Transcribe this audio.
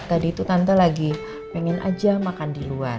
tadi itu tante lagi pengen aja makan di luar